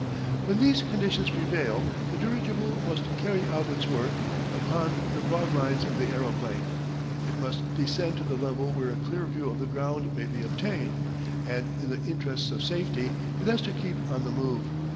When these conditions prevail the dirigible must carry out its work upon the broad lines of the aeroplane. It must descend to the level where a clear view of the ground may be obtained, and in the interests of safety it has to keep on the move.